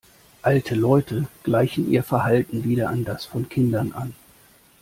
Alte Leute gleichen ihr Verhalten wieder an das von Kindern an.